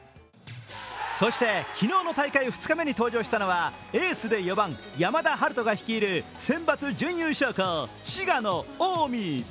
そして昨日の大会２日目に登場したのは、エースで４番山田陽翔が率いるセンバツ準優勝校滋賀の近江。